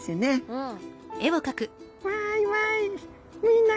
うん。